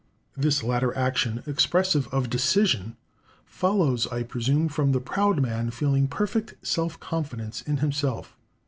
This latter action, expressive of decision, follows, I presume, from the proud man feeling perfect self confidence in himself.